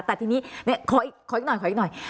แต่ทีนี้ขออีกหน่อย